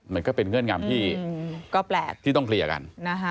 มันก็เป็นเงื่อนงำที่ต้องเคลียร์กัน